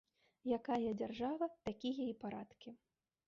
Якая дзяржава, такія і парадкі.